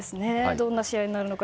どんな試合になるのか